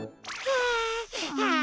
はあ。